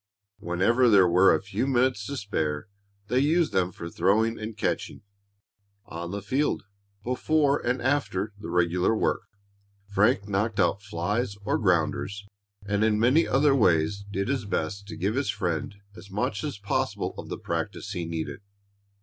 Whenever there were a few minutes to spare they used them for throwing and catching. On the field, before and after the regular work, Frank knocked out flies or grounders, and in many other ways did his best to give his friend as much as possible of the practice he needed.